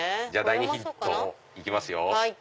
第２ヒント行きますよ。